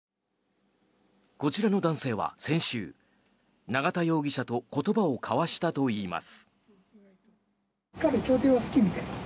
こちらの男性は先週永田容疑者と言葉を交わしたといいます。